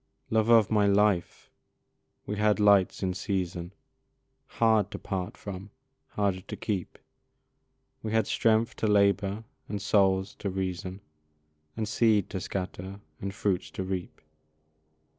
Love of my life! we had lights in season Hard to part from, harder to keep We had strength to labour and souls to reason, And seed to scatter and fruits to reap.